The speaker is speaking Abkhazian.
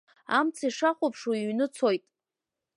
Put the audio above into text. Амца ишахәаԥшуа иҩны ицоит.